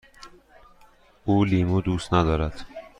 او لیمو دوست ندارد.